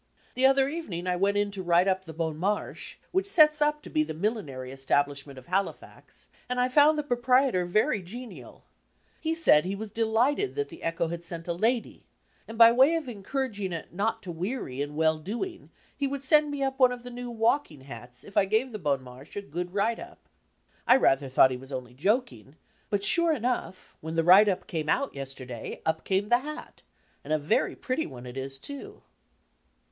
The other evening I went in to write up the Bon Marche, which sets up to be the millinery establishment of Halifax, and I found the proprie '*'„,. .,Google tor very genial. He said he was delighted that the Echo had sent a lady, and by way of encouraging it not to weary in well doing he would send me up one of the new walking hats if I gave the Bon Marche a good write up. I rather thought he was only joking, but sure enough, when the write up came out yesterday, up came the hat, and a very pretty one it is too.